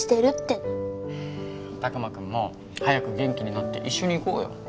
拓磨くんも早く元気になって一緒に行こうよ。